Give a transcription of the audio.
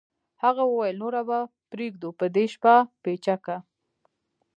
هغه وویل نوره به پرېږدو په دې شپه پیچکه